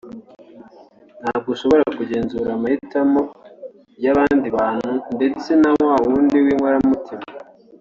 Ntabwo ushobora kugenzura amahitamo y’abandi bantu ndetse na wa wundi w’inkoramutima